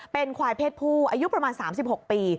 เป็นควายเพศผู้อายุประมาณ๓๖ปี